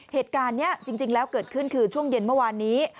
เหตุการณ์นี้จริงแล้วเกิดขึ้นคือช่วงเย็นเมื่อวานนี้